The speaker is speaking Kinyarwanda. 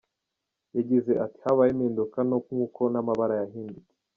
Yagize ati “ Habayeho impinduka nto nkuko n’amabara yahindutse.